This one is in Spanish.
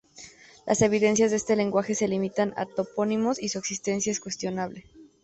Las evidencias de este lenguaje se limitan a topónimos, y su existencia es cuestionable.